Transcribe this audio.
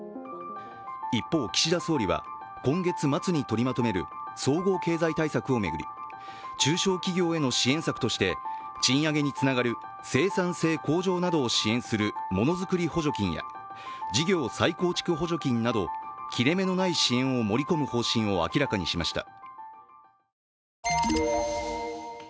一方、岸田総理は今月末に取りまとめる総合経済対策を巡り、中小企業への支援策として賃上げにつながる生産性向上などを支援するものづくり補助金や事業再構築補助金など切れ目のない支援を盛り込む方針を明らかにしました。